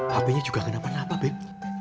hpnya juga enggak apa napa beb